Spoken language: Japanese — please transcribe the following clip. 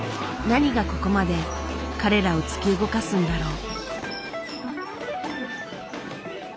何がここまで彼らを突き動かすのだろう？